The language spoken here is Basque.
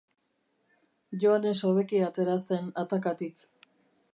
Joanes hobeki atera zen atakatik.